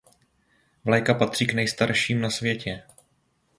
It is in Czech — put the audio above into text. Vlajka patří k nejstarším na světě.